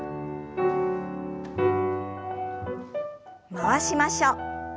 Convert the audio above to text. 回しましょう。